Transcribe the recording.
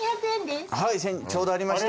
ちょうどありました。